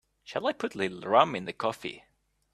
Shall I put a little rum in the coffee?